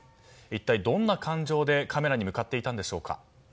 一体どんな感情でカメラに向かっていたんでしょうか。